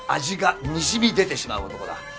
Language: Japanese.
味がにじみ出てしまう男だ。